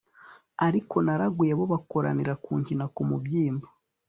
ariko naraguye, bo bakoranira kunkina ku mubyimba